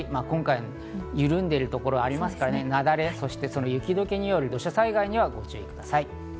今回緩んでいるところがありますので雪崩、雪解けによる土砂災害にご注意ください。